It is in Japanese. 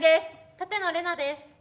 舘野伶奈です。